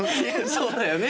そうだよね。